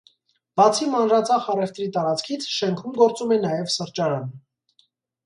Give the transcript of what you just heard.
Բացի մանրածախ առևտրի տարածքից, շենքում գործում է նաև սրճարան։